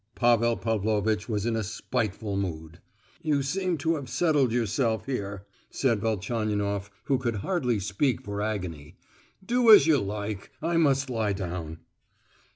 Pavel Pavlovitch was in a spiteful mood. "You seem to have settled yourself here," said Velchaninoff, who could hardly speak for agony. "Do as you like, I must lie down."